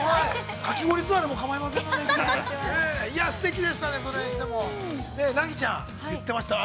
かき氷ツアーでも構いませんので。